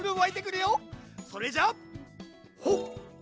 それじゃほっ。